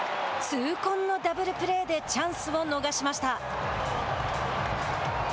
痛恨のダブルプレーでチャンスを逃しました。